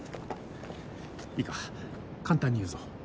いいか簡単に言うぞ。